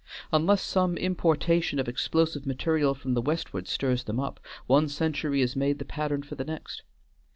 Unless some importation of explosive material from the westward stirs them up, one century is made the pattern for the next.